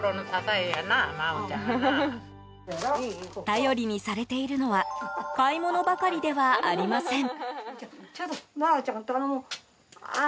頼りにされているのは買い物ばかりではありません。